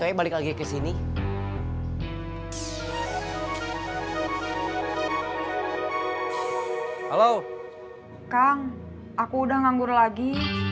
ibu aku udah nganggur lagi